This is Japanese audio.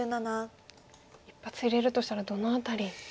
一発入れるとしたらどの辺り？